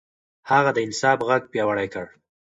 هغه د انصاف غږ پياوړی کړ.